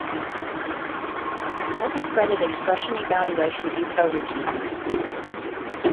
It offers multithreaded expression evaluation and coroutines.